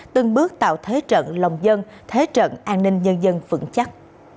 từng bước tạo thế trận lòng dân thế trận an ninh nhân dân vững chắc